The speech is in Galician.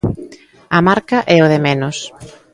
A marca é o de menos.